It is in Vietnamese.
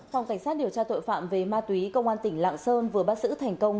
phòng cảnh sát điều tra tội phạm về ma túy công an tỉnh lạng sơn vừa bắt giữ thành công